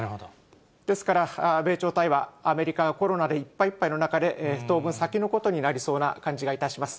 ですから、米朝対話、アメリカがコロナでいっぱいいっぱいの中で、当分、先のことになりそうな感じがいたします。